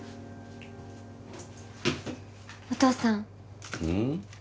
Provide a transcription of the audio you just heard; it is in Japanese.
お父さんうん？